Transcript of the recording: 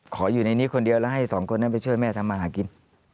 ขออยู่ในนี้คนเดียวแล้วให้สองคนนั้นไปช่วยแม่ทำมาหากิน